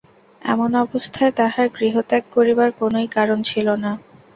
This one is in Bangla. এমন অবস্থায় তাহার গৃহত্যাগ করিবার কোনোই কারণ ছিল না।